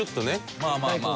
まあまあまあ。